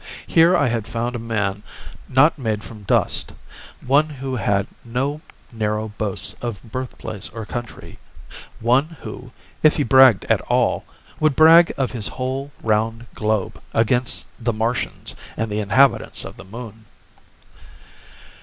Here I had found a man not made from dust; one who had no narrow boasts of birthplace or country, one who, if he bragged at all, would brag of his whole round globe against the Martians and the inhabitants of the Moon.